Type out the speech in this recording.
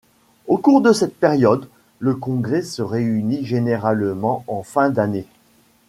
Au cours de cette période, le Congrès se réunit généralement en fin d'année.